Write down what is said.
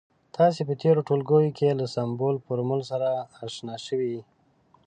تاسې په تیرو ټولګیو کې له سمبول، فورمول سره اشنا شوي يئ.